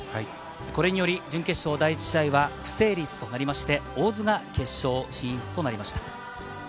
これにより準決勝第１試合は不成立となりまして、大津が決勝進出となりました。